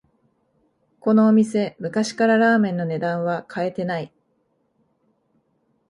このお店、昔からラーメンの値段は変えてない